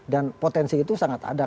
dan potensi itu sangat ada